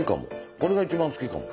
これが一番好きかも。